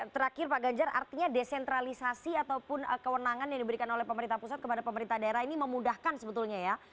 terakhir pak ganjar artinya desentralisasi ataupun kewenangan yang diberikan oleh pemerintah pusat kepada pemerintah daerah ini memudahkan sebetulnya ya